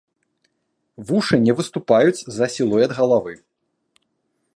Вушы не выступаюць за сілуэт галавы.